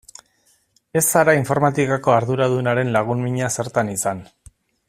Ez zara informatikako arduradunaren lagun mina zertan izan.